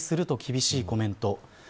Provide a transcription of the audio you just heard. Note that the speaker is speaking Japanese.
という厳しいコメント。